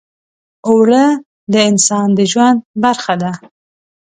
اوړه د انسان د ژوند برخه ده